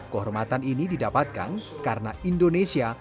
kehormatan ini didapatkan karena indonesia